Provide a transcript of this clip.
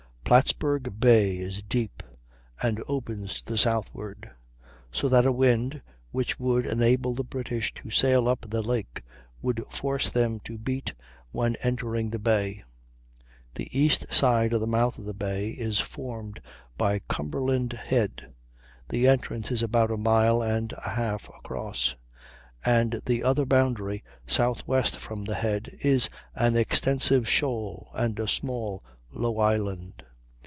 Plattsburg Bay is deep and opens to the southward; so that a wind which would enable the British to sail up the lake would force them to beat when entering the bay. The east side of the mouth of the bay is formed by Cumberland Head; the entrance is about a mile and a half across, and the other boundary, southwest from the Head, is an extensive shoal, and a small, low island.